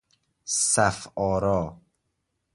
صف آرا